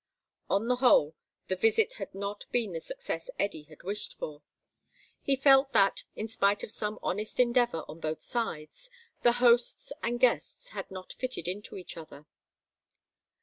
On the whole, the visit had not been the success Eddy had wished for. He felt that. In spite of some honest endeavour on both sides, the hosts and guests had not fitted into each other.